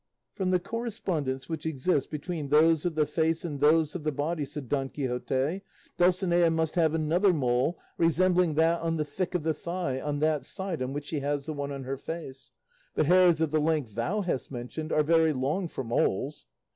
"From the correspondence which exists between those of the face and those of the body," said Don Quixote, "Dulcinea must have another mole resembling that on the thick of the thigh on that side on which she has the one on her face; but hairs of the length thou hast mentioned are very long for moles."